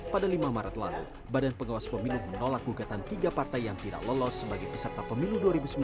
pada lima maret lalu badan pengawas pemilu menolak gugatan tiga partai yang tidak lolos sebagai peserta pemilu dua ribu sembilan belas